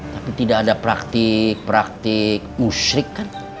tapi tidak ada praktik praktik musyrik